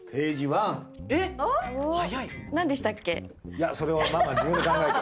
いやそれはママ自分で考えて。